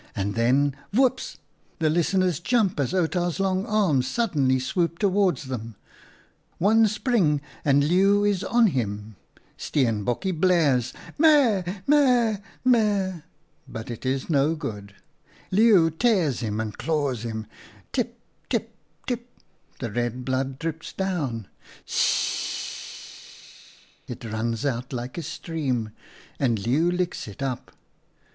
And then — voops !"— the listeners jump as Outa's long arms suddenly swoop towards them — "one spring and Leeuw is on him. Steenbokje blares — meh, meh, meh — but it is no good. Leeuw tears him and claws him. Tip, tip, tip, the red blood drips down ; s s s s s, it runs out like a stream, and Leeuw licks it up.